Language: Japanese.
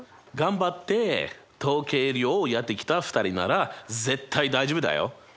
頑張って統計量をやってきた２人なら絶対大丈夫だよ。